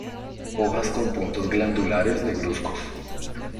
Hojas con puntos glandulares negruzcos.